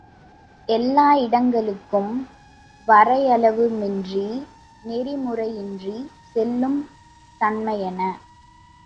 எல்லா இடங்களுக்கும் வரையளவுமின்றி, நெறிமுறையின்றிச் செல்லும் தன்மையன.